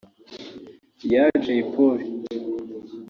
ya Jay Polly